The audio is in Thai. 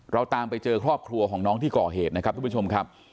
เราตามไปเจอครอบครัวของน้องที่ก่อเหตุนะครับทุกผู้ชมครับ